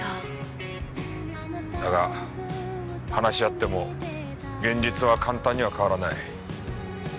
だが話し合っても現実は簡単には変わらない。